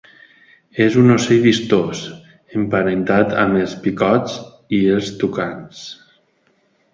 És un ocell vistós, emparentat amb els picots i els tucans.